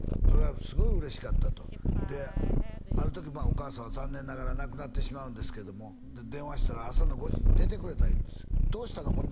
それがすごい嬉しかったとある時お母さんは残念ながら亡くなってしまうんですけども電話したら朝の５時に出てくれた言うんですどうしたの？